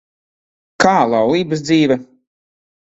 Kā laulības dzīve?